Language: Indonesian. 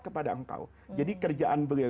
kepada engkau jadi kerjaan beliau